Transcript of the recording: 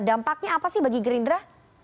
dampaknya apa sih bagi gerindra